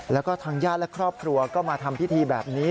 แล้วก็ทางญาติและครอบครัวก็มาทำพิธีแบบนี้